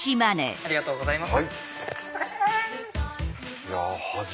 ありがとうございます。